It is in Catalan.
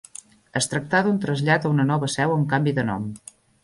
Es tractà d'un trasllat a una nova seu amb canvi de nom.